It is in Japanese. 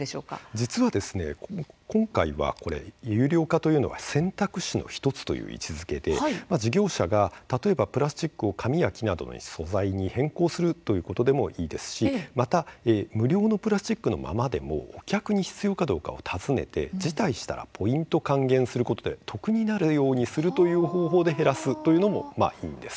実は今回の有料化というのは選択肢の１つという位置づけで事業者が例えばプラスチックを紙や木などの素材に変更するということでもいいですしまた無料のプラスチックのままでもお客に必要かどうか尋ねて辞退したらポイント還元することで得になるようにするという方向で減らすことでもいいんです。